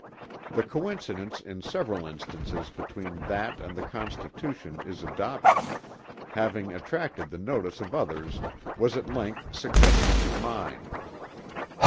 The coincidence in several instances between that and the Constitution as adopted, having attracted the notice of others was at length suggested to mine.